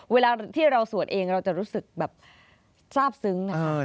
เวลาที่เราสวดเองเราจะรู้สึกแบบทราบซึ้งนะคะ